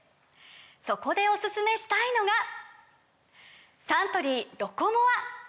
そこでおすすめしたいのがサントリー「ロコモア」！